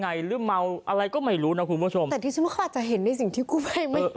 ไงหรือเมาอะไรก็ไม่รู้นะคุณผู้ผู้ชมแต่ที่สมมุติจะเห็นในสิ่งที่กูไป